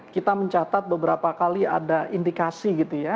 kita mencatat beberapa kali ada indikasi gitu ya